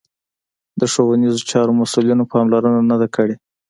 د ښوونیزو چارو مسوولینو پاملرنه نه ده کړې